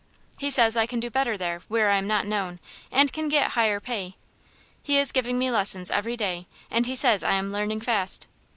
He says I can do better there, where I am not known, and can get higher pay. He is giving me lessons every day, and he says I am learning fast.